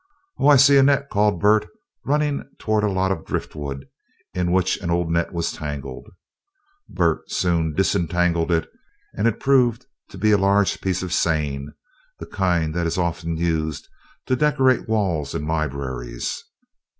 "Oh, I see a net," called Bert, running toward a lot of driftwood in which an old net was tangled. Bert soon disentangled it and it proved to be a large piece of seine, the kind that is often used to decorate walls in libraries.